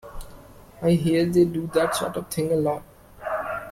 I hear they do that sort of thing a lot.